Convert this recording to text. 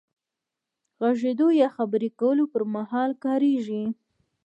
غږېدو يا خبرې کولو پر مهال کارېږي.